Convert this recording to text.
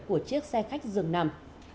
của chiếc xe khách dường nằm